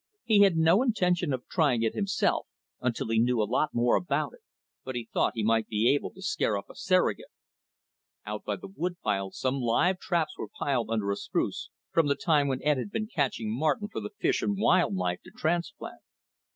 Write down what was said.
He had no intention of trying it himself until he knew a lot more about it, but he thought he might be able to scare up a surrogate. Out by the wood pile some live traps were piled under a spruce, from the time when Ed had been catching marten for the Fish and Wildlife to transplant.